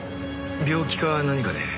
病気か何かで？